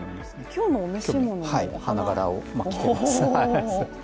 今日のお召し物もお花花柄を着ています。